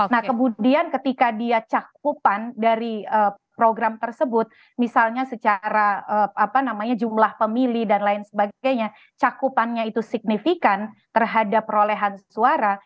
nah kemudian ketika dia cakupan dari program tersebut misalnya secara jumlah pemilih dan lain sebagainya cakupannya itu signifikan terhadap perolehan suara